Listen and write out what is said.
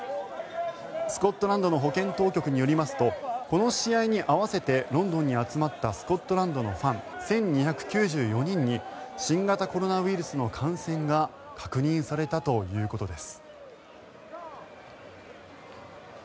スコットランドの保健当局によりますとこの試合に合わせてロンドンに集まったスコットランドのファン１２９４人に新型コロナウイルスの感染が確認されたということです。